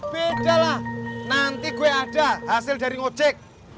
beda lah nanti gue ada hasil dari ojek